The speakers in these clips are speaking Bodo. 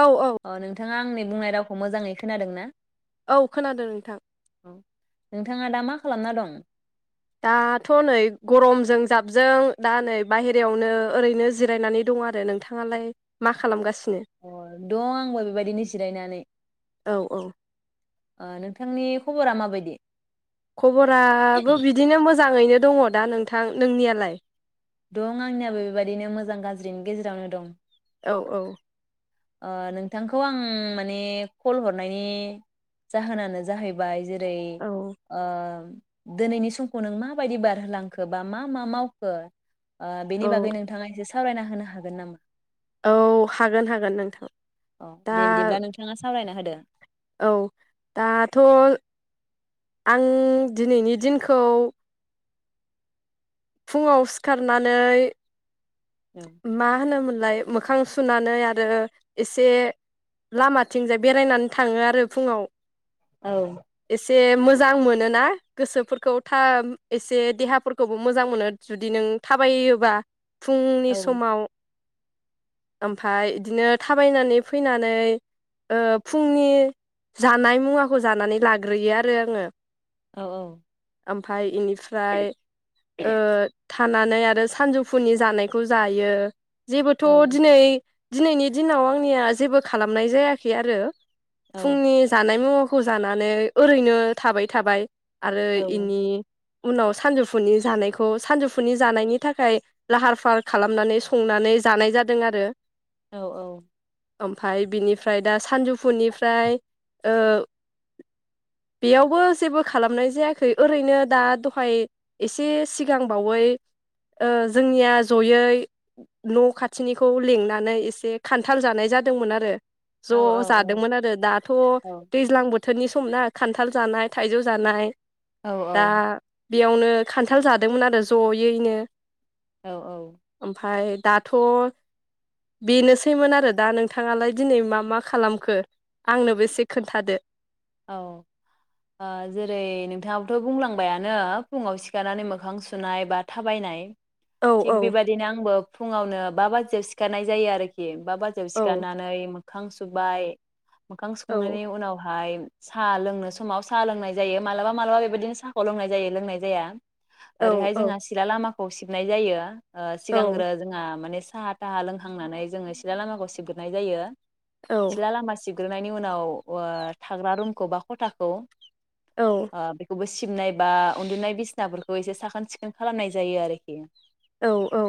औ औ थाङा आंनि बुंनाय रावखौ मोजाङै खोनादों ना? औ खोनादों नोंथां। औ नोंथाङा दा मा खालामना दं? दाथ' नै गरमजों जाबजों दा नै बाहेरायावनो ओरैनो जिरायनानै दं आरो नोंथाङालाय मा खालामगासि अ दं आंबो बेबायदिनो जिरायनानै। औ औ ओ नोंथांनि खबरा माबायदि? खबराबो बिदिनो मोजाङैनो दङ। दा नोंथां नोंनियालाय? दं आंनियाबो बेबादिनो मोजां गाज्रिनि गेजेरावनो दं। औ औ नोंथांखौ आं माने कल हरनायनि जाहोनानो जाहैबाय जे [unintelligible] औ ओ दिनैनि समखौ नों माबायदि बारहोलांखो बा मा मा मावखो? बेनि औ बागै नोंथाङा एसे। सावरायना होनो हागोन नामा? औ हागोन हागोन नोंथां। औ दा दे बिदिब्ला नोंथाङा सावरायना होद दो औ दाथ' आं दिनैनि दिनखौ फुङाव सिखारनानै औ माहोनोमोनलाय? मोखां सुनानै आरो एसे लामाथिंजाय बेरायनानै थाङो आरो फुङाव औ एसे मोजां मोनना गोसोफोरखौ था एसे देहाफोरखौबो मोजां मोनो जुदि नों थाबायोबा फुं बिलि समाव ओमफाय बिदिनो थाबायनानै फैनानै फुंनि जानाय मुवाखौ जानानै लाग्रोयो आरो आङो। औ औ ओमफ्राय इनिफ्राय ओ थानानै आरो सानजौफुनि जानाय खौ जायो‌। जेबोथ' औ दिनै दिनैनि दिनाव आंनिया जेबो खालामनाय जायाखै आरो औ फुंनि जानाय मु खौ जानानै ओरैनो थाबाय थाबाय। आरो औ इनि उनाव सानजौफुनि जानायखौ सानजौफुनि जानायनि थाखाय लाहार फाहार खालामनानै संनानै जानाय जादों आरो। औ औ ओमफाय बिनिफ्राय दा सानजौफुनिफ्राय बेयावबो जेबो खालामनाय जायाखै ओरैनो दा दहाय एसे सिगांबावै जोंनिया जयै न' खाथिनिखौ लिंनानै एसे खान्थाल जानाय जादोंमोन आरो। औ ज' जादोंमोन आरो दाथ' औ दैज्लां बोथोर बो थोरनि समना खान्थाल जानाय थाइजौ जानाय। औ दा औ बेयावनो खान्थाल जादोंमोन आरो जयैनो। औ ओमफ्राय दाथ' बेनोसैमोन आरो दा नोंथाङालाय दिनै मा मा खालामखो आंनोबो एसे खोन्थादो। औ जेरै नोंथाङाबोथ' बुंलांबायानो फुङाव सिखारनानै मोखां सुनाय बा थाबायनाय। औ थिग औ बिबादि नो आंबो फुङावनो बा बाजियाव सिखारनाय जायो आरोखि बा बाजियाव औ सिखारनानै खां सुबाय मोखां औ सुखांनायनि उनावहाय सा लोंनो समाव सा लोंनाय जायो मालाबा मालाबा बेबायदिनो साहाखौ लोंनाय जायो लोंनाय जाया । औ ओरैहाय औ जोंहा सिला लामा खौ सिबनाय जायो । ओ औ सिगांग्रो जोंहा माने साहा थाहा लोंहांनानै जोङो सिला लामाखौ सिबग्रोनाय जायो । सिला लामा सिब ग्रोनायनि उनाव ओ थाग्रा रुम खौबा खथाखौ औ ओ बेखौ बो सि सिबनाय बा उन्दुनाय बिसनाफोरखौ एसे साखोन सिखोन खालामनाय जायो आरोखि । औ औ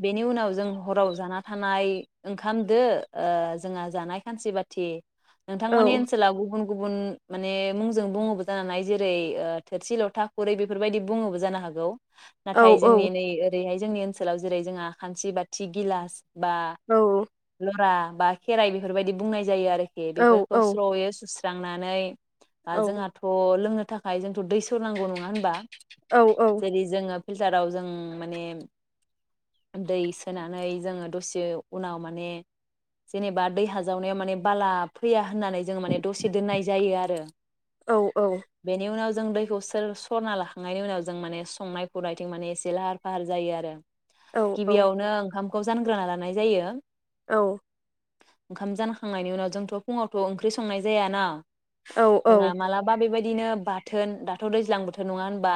बेनि उनाव जों हराव जाना थानाय ओंखाम दो ओ जोंहा जानाय खानसि बाथि औ नोंथांमोननि ओनसोलाव गुबुन गुबुन माने मुंजों बुङोबो जानानै हानाय जेरै ओ थोरसि लथा खुरै बेफोरबायदि बुङोबो जानो हागौ । औ नाथाय जोंनि नै ओरैहाय जोंनि ओनसोलाव जेरै जोंहा खानसि बाथि गिलास बा औ लरा बा खेराइ बेफोरबायदि बुंनाय जायो आरो औ बेफोरखौ औ स्र' यै सुस स्रांनानै बा जोंहाथ' लोंनो थाखाय जोंथ' दै सरनांगौ नङा होनबा । औ औ फिल्टाराव जों माने दै सोनानै जोङो दसे उनाव माने जेनेबा दै हाजावनायाव माने बाला फैया होननानै जों माने दोननाय जायो आरो बेनि उनाव जों दैखौ सोर सरना लाखांनायनि उनाव जों माने संनाय खुरनायथिं माने एसे लाहार फाहार जायो आरो औ । औ गिबियावनो ओंखाम खौ जानग्रोना लानाय जायो औ ओंखाम जानखांनायनि उनाव जोंथ' फुङावथ' ओंख्रि संनाय जाया ना औ जोंहा मालाबा बेबाय बिदिनो बाथोन दाथ' दैज्लां बोथोर नङा होनबा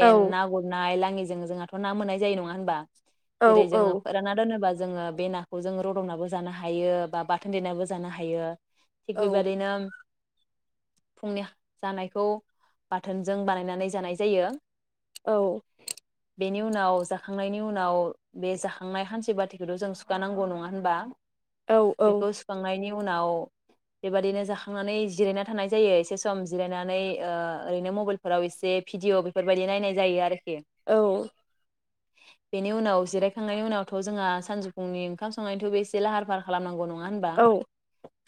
औ ना गुरनाय लाङि जों जोंहाथ'ना मोननाय जायो नङा होनबा औ जेरै औ जोङो फोराना दोनोबा जोङो बे नाखौ जोङ रदंनाबो जानो हायो बा बाथोन देरनाबो जानो हायो थिग औ बेबायदिनो फुंनि जानायखौ बाथोनजों बानायनानै जानाय जायो औ बेनि उनाव जाखांनायनि उनाव बे जाखांनाय खानसि-बाथिखौथ' जों सुखानांगौ नङा होनबा औ औ बेखौ सुखांनायनि उनाव बेबायादिनो जाखांनानै जिरायना थानाय जायो एसे सम जिरायनानै ओरैनो मबाइलफोराव एसे भिडिअ' बेफोरबायदि नायनाय जायो आरोखि औ बेनि उनाव जिरायखांनायनि उनावथ' जोंहा सानजौफुंनि ओंखाम संनायनिथ' बे एसे लाहार-फाहार खालामनांगौ नङा मा होनबा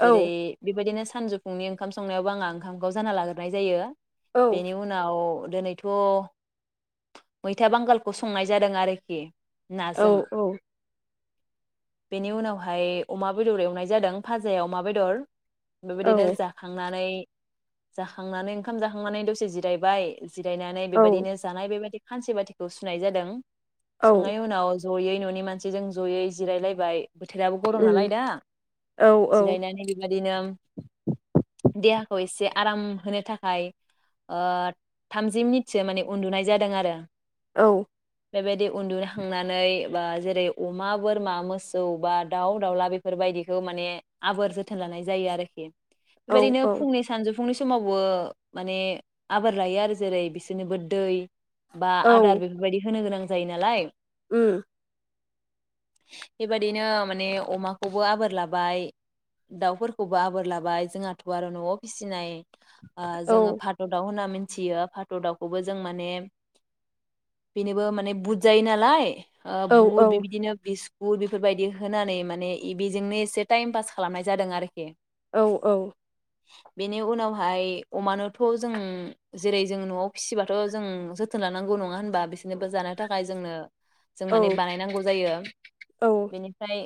औ जेरै बेबायदिनो सानजौफुंनि ओंखाम संनायावबो आं ओंखामखौ जाना लाग्रोनाय जायो औ औ उम बेनि उनाव दिनैथ' मैथा बांगालखौ संनाय जादों आरोखि नाजों औ-औ बेनि उनावहाय अमा बेदर एवनाय जादों फाजाया अमा बेदर औ उम बेबायदिनो जाखांनानै जाखांनानै ओंखाम जाखांनानै दसे जिरायबाय जिरायनानै बेबायदिनो जानाय बेबायदि खानसि-बाथिखौ सुनाय जादों सुनाय उनाव जयै न'नि मानसिजों जयै जिरायलायबाय बोथोराबो गरम नालाय दा औ जिरायनानै बेबायदिनो देहाखौ इसे आराम होनो थाखाय ओ थामजि मिनिटसो माने उन्दुनाय जादों आरो औ बेबायदि उन्दुखांनानै बा जेरै अमा बोरमा मोसौ बा दाउ दाउला बेफोरबायदिखौ माने आबोर जोथोन लानाय जायो आरो ए [inaudible] बेबायदिनो औ फुंनि सानजौफु फुंनि समावबो माने आबोर लायो आरो जेरै बिसोरनोबो दै बा आदार बेफोरबायदि होनो गोनां जायो नालाय। ओम। बेबायादिनो माने अमाखौबो आबोर लाबाय दाउफोरखौब बो आबोर लाबाय जोंहाथ' आरो न'आव फिसिनाय ओ जोङो फाद दाव होनना मिन थियो फाद दाउखौबो जों माने बेनोबो माने बुद जायो नालाय। ओ बुट बेबायदिनो बिस गुर बेफोरबायदि होनानै माने इबेजोंनो एसे टाइम पास खालामनाय जादों आरोखि। औ औ। बेनि उनावहाय अमानोथ' जों जेरै जों न'आव फिसिबाथ' जों जोथोन लानांगौ नङा होनबा बिसोरनोबो जानो थाखाय जोंनो जों माने बानायनांगौ जायो बेनिफ्राय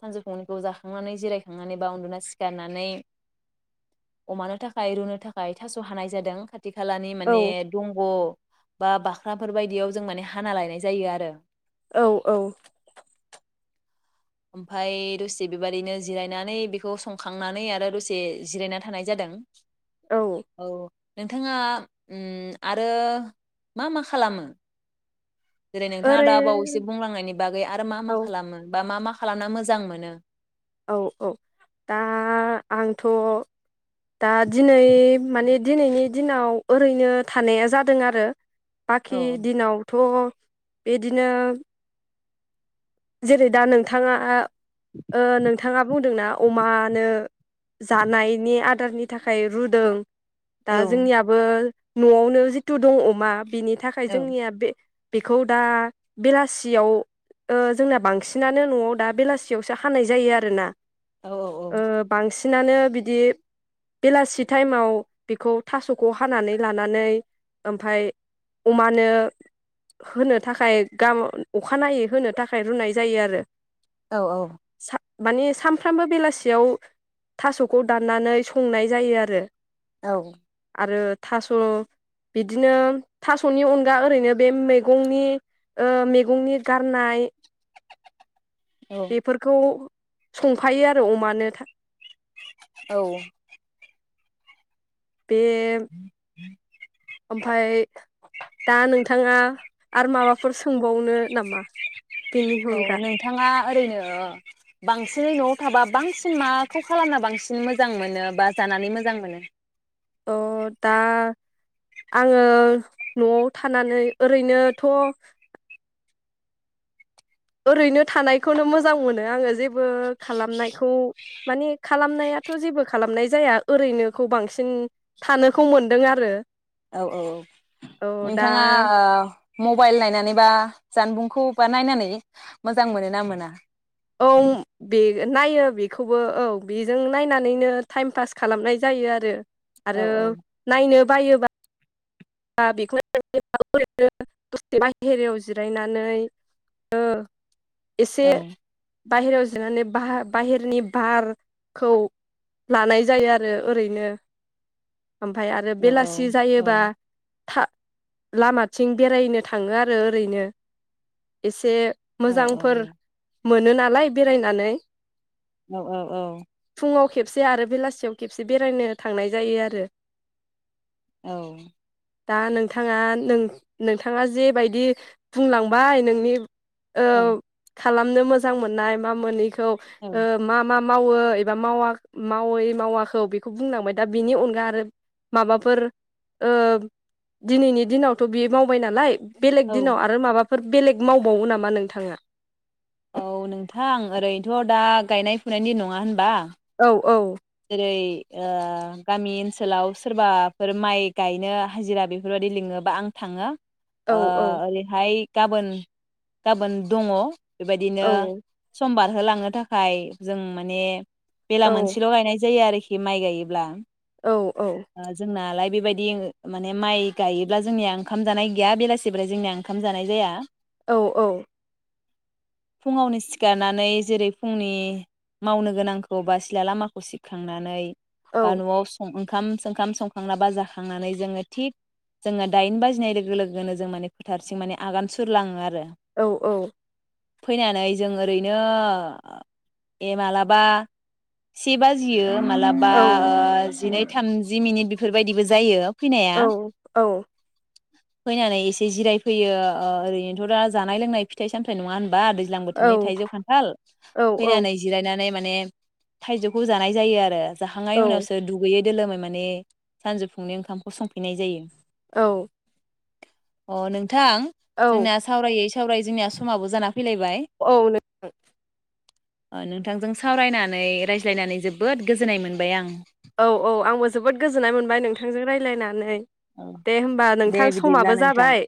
सानजुफुनिखौ जाखांनानै जिरायखांनानै बा उन्दुना सिख खारनानै अमानो थाखाय रुनो थाखाय थास हानाय जादों। खाथि खालानि माने दंग बा बाख्राफोर बायदियाव जों माने हाना लायनाय जायो आरो। औ औ। ओमफाय दसे बेबादिनो जिरायनानै बेखौ संखांनानै आरो दसे जिरायना थानाय जादों। औ। नोंथाङा ओम आरो मा मा खालामो? जेरै नोंथाङा दा बावैसो बुंलांनायनि बागै आरो मा औ मा खालामो बा मा मा खा खालामना मोजां मोनो। औ औ दा आंथ' दा दिनै माने दिनैनि दिनाव ओरैनो थानाया जादों आरो। औ बाखि दिनावथ' बिदिनो जेरै दा नोंथाङा ओ ओ नोंथाङा बुंदोंना अमानो जानायनि आदारनि थाखाय रुदों। दा औ जोंनियाबो न'आवनो जितु दं अमा बिनि थाखाय औ जोंनिया बे बेखौ दा बेलासियाव ओ जोंना बांसिनानो न'आव दा बेलासियावसो हानाय जायो आरोना। औ ओ बांसि बांसिनानो बिदि बेलासि टाइमाव बेखौ थास'खौ हानानै लानानै ओमफाय अमानो होनो थाखाय गाम अखानायै होनो थाख खाइ रुनाय जायो आरो। औ औ। सा माने सामफ्रामबो बेलासियाव थास'खौ दाननानै संनाय जायो आरो। औ। आरो थास' बिदिनो थास'नि अनगा ओरैनो बे मेगंनि ओ मेगंनि गारनाय बेफोरखौ संखायो आरो अमानो औ बे ओमफाय दा नोंथाङा आरो माबाफोर सोंबावनो नामा बेनि औ अनगा नोंथाङा ओरैनो बांसिनै न'आव थाबा बांसिन माखौ खालामना बांसिन मोजां मोनो बा जानानै मोजां मोनो? अ दा आंङो न'आव थानानै ओरैनोथ' ओरैनो थानायखौनो मोजां मोनो आंङो जेबो खालामनायखौ माने खालामनायाथ' जेबो खालामनाय जाया ओरैनोखौ बांसिन थानोखौ मोनदों आरो औ औ औ औ दा नोंथाङा मबाइल नायनानै बा जानबुंखौ बा नायनानै मोजां मोनो ना मोना? औ बे नायो बेखौबो औ बेजों नायनानैनो टाइम पास खालामनाय जायो आरो औ आरो औ नायनो बायोबा दा बेखौनोओरैनो दसेसे बाहेरयाव जिरायनानै एसे औ बाहेरायाव जिरनानै ब बाहेरनि बारखौ लानाय जायो आरो ओरैनो ओमफफ्राय आरो औ बेलासि औ जायोबा था लामाथिं बेरायनो थांङो आरो ओरैनो एसे औ मोजांफोर मोनो नालाय बेरायनानै औ औ औ फुङाव खेबसे आरो बेलासियाव खेबसे बेरायनो थांनाय जायो आरो औ दा नोंथाङा नों नोंथाङा जेबायदि बुंलांबाय नोंनि ओ खालामनो मोजां मोननाय मा मोनैखो औ खौ ओ मा मा मावो एबा मावा मावै मावाखौै बेखौ बुंनांबाय दा बिनि अनगा आरो माबाफोर ओ दिनैनि दिनावथ बियो मावबाय नालाय बेलेग औ दिनाव आरो माबा फोर बेलेग मावबावो नामा नोंथाङा औ नोंथां ओरैनोथ दा गायनाय फुनायनि नङा होनबा औ औ जेरै ओ गामि ओनसोलाव सोरबाफोर माइ गायनो हाजिरा बेफोरबायदि लिङोबा आं थांङो औ ओ औ ओरैहाइ गाबोन गाबोन दङ बेबायदिनो औ समबार होलांनो थाखाय जों माने बेला औ मोनसे ल गायनाय जायो आरोखि माइ गायोब्ला औ ओ जोंना लाइ बेबायदि माने माइ गायोब्ला जोंनिया ओंखाम जानाय गैया बेलासि बाथाइ जोंनिया ओंखाम जानाय जाया। औ औ। फुङावनो सिखारनानै जेरै फुंनि मावनो गोनांखौ बा सिला लामाखौ सिबखांनानै औ बा न'आव सं ओं खाम सोंखाम संखांनाबा जाखांनानै जोङो थिग जोङो दाइन बाजिनाय लोगो लोगोनो जों माने फोथारसिम माने आगान सुरलाङो आरो औ औ फैनानै जों ओरैनो ए मालाबा से बाजियो। मालाबा औ औ ओ जिनै थामजि मिनिट बेफोरबायदिबो जायो फैनाया औ औ फैनानै एसे जिरायफैयो ओ ओरैनोथ' दा जानाय लोंनाय फिथाइ सामथाइ नङा होन बा दैज्लां बोथोरनि थाइजौ खान्थाल औ फैनानै जिरायनानै मा ने थाइजौखौ जानाय जायो आरो औ जाहांनाय उनावसो दुगैयै दोलोमै माने सानजौफुंनि ओंखामखौ संफिनाय जायो औ अ नों थां औ जोंना सावरायै सावराय जोंनिया समाबो जाना फैलायबाय औ नोंथां ओ नोंथांजों सावरायनानै रायज्लायनानै जोबोद गोजोननाय मोनबाय आं औ औ आंबो जोबोद गोजोननाय मोनबाय नोंथांजों राय रायलायनानै औ दे बिदिब्ला नोंथां जाबाय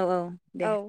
औ औ दे औ